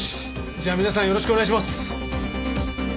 じゃあ皆さんよろしくお願いします！